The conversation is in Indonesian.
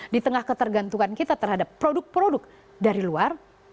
di tengah ketergantungan kita terhadap produk produk dari luar